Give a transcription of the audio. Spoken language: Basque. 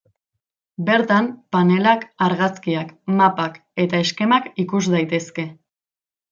Bertan, panelak, argazkiak, mapak, eta eskemak ikus daitezke.